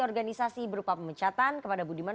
organisasi berupa pemecatan kepada budiman